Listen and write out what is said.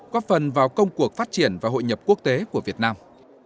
góp phần vào công cuộc phát triển và hội nhập quốc tế của việt nam